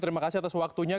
terima kasih atas waktunya